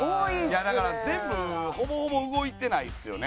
いやだから全部ほぼほぼ動いてないですよね。